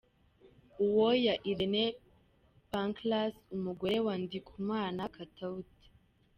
Uwoya Irene Pancras, umugore wa Ndikumana Katauti.